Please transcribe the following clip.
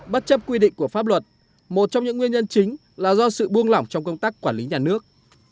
bất chấp quy định của pháp luật một trong những nguyên nhân chính là do sự buông lỏng trong công tác quản lý nhà nước